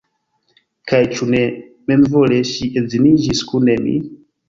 Kaj ĉu ne memvole ŝi edziniĝis kun mi?